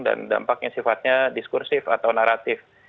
dan dampak yang sifatnya diskursif atau naratif